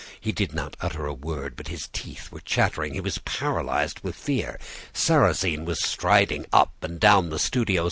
He did not utter a word, but his teeth were chattering; he was paralyzed with fear. Sarrasine was striding up and down the studio.